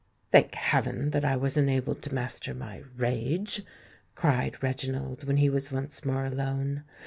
"Thank heaven that I was enabled to master my rage," cried Reginald, when he was once more alone.